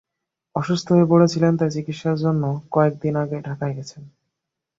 অসুস্থ হয়ে পড়েছিলেন, তাই চিকিৎসার জন্য কয়েক দিন আগে ঢাকায় গেছেন।